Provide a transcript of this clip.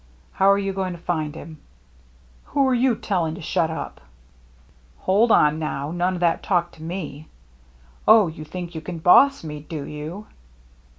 How're you going to find him ?"" Who you telling to shut up ?"" Hold on, now. None o' that talk to me!" " Oh, you think you can boss me, do you